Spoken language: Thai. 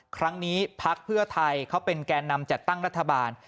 พักเพื่อไทยเขาเป็นแก่นำจัดตั้งรัฐบาล